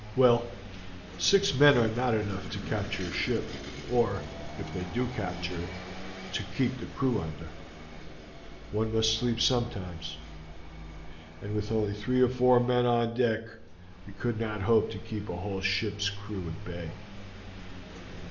Well, six men are not enough to capture a ship, or, if they do capture it, to keep the crew under. One must sleep sometimes, and with only three or four men on deck we could not hope to keep a whole ship's crew at bay."